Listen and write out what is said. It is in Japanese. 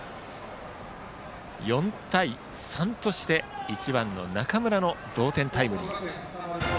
４対３として１番の中村の同点タイムリー。